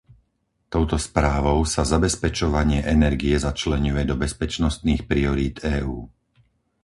Touto správou sa zabezpečovanie energie začleňuje do bezpečnostných priorít EÚ.